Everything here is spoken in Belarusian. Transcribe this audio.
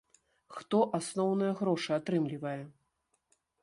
Хто асноўныя грошы атрымлівае?